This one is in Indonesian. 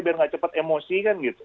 biar nggak cepat emosi kan gitu